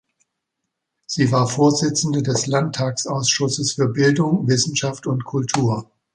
Sie war Vorsitzende des Landtagsausschusses für Bildung, Wissenschaft und Kultur.